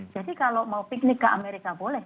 jadi kalau mau piknik ke amerika boleh